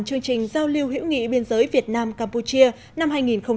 chương trình giao lưu hữu nghị biên giới việt nam campuchia năm hai nghìn một mươi chín